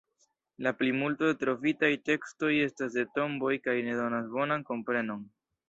La plimulto de trovitaj tekstoj estas de tomboj kaj ne donas bonan komprenon.